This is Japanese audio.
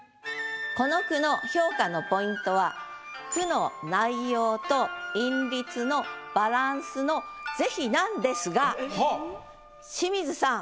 この句の評価のポイントは句の内容と韻律のバランスの是非なんですが清水さん。